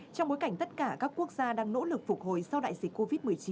trong bối cảnh tất cả các quốc gia đang nỗ lực phục hồi sau đại dịch covid một mươi chín